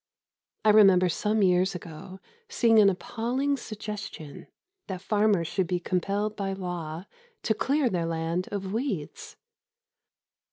I remember some years ago seeing an appalling suggestion that farmers should be compelled by law to clear their land of weeds.